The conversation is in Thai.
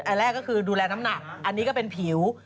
อันแรกก็คือดูแลน้ำหนักอันนี้ก็เป็นผิว